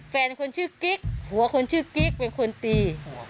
แฟนคนชื่อกิ๊กหัวคนชื่อกิ๊กเป็นคนตีหัว